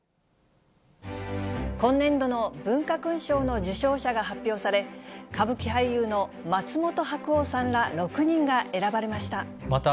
今年度の文化勲章の受章者が発表され、歌舞伎俳優の松本白鸚さんら６人が選ばれました。